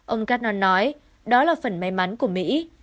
ông carn nói đó là phần may mắn của mỹ